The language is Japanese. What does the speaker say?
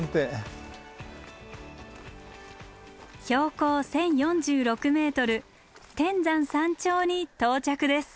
標高１，０４６ｍ天山山頂に到着です。